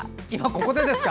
ここでですか！